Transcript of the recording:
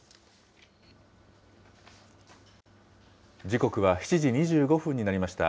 時刻は７時２５分になりました。